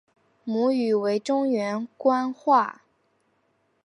母语为中原官话。